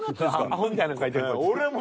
アホみたいなん書いてる。